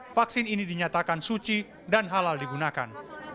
vaksin ini dinyatakan suci dan halal digunakan